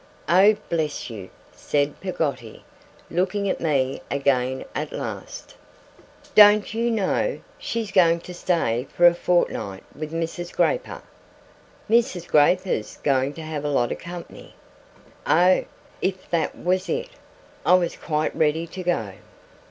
'Oh, bless you!' said Peggotty, looking at me again at last. 'Don't you know? She's going to stay for a fortnight with Mrs. Grayper. Mrs. Grayper's going to have a lot of company.' Oh! If that was it, I was quite ready to go.